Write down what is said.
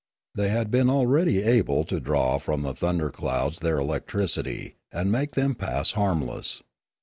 They had been already able to draw from the thunder clouds their electricity, and make them pass harmless.